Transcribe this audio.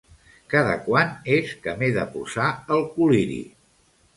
Cada quant és que m'he de posar el col·liri?